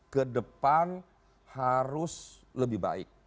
ke depan harus lebih baik